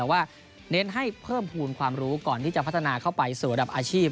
แต่ว่าเน้นให้เพิ่มภูมิความรู้ก่อนที่จะพัฒนาเข้าไปสู่ระดับอาชีพ